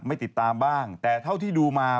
ไม่ติดตามบ้างแต่เท่าที่ดูมา